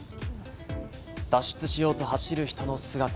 脱出しようと走る人の姿。